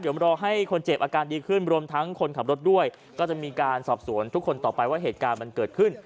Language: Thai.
เดี๋ยวรอให้คนเจ็บอาการดีขึ้นรวมทั้งคนขับรถด้วยก็จะมีการสอบสวนทุกคนต่อไปว่าเหตุการณ์มันเกิดขึ้น